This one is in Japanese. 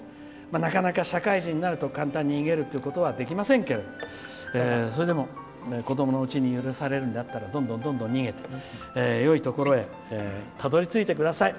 なかなか社会人になると簡単に逃げるっていうことはできませんけどそれでも子どものうちに許されるんであったらどんどん逃げてよいところにたどりついてください。